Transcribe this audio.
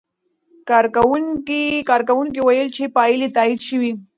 کارکوونکي وویل چې پایلې تایید شوې.